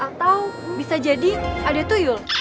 atau bisa jadi ada tuyul